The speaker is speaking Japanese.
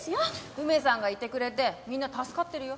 梅さんがいてくれてみんな助かってるよ。